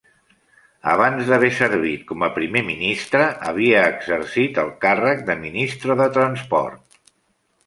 Abans d'haver servit com a primer ministre, havia exercit el càrrec de ministre de transport.